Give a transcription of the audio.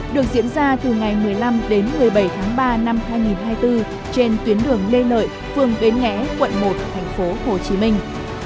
được diễn ra từ ngày một mươi năm đến một mươi bảy tháng ba năm hai nghìn hai mươi bốn trên tuyến đường lê lợi phường bến nghé quận một thành phố hồ chí minh